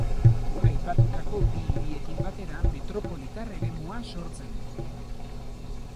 Aipatutako bi hiriekin batera metropolitar eremua sortzen du.